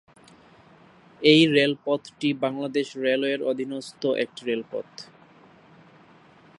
এই রেলপথটি বাংলাদেশ রেলওয়ের অধীনস্থ একটি রেলপথ।